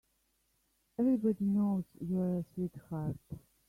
Everybody knows you're a sweetheart.